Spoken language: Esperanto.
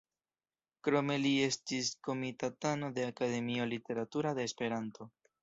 Krome li estas komitatano de Akademio Literatura de Esperanto.